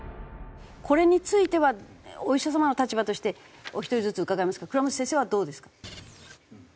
これについてはお医者様の立場としてお一人ずつ伺いますけど倉持先生はどうですか？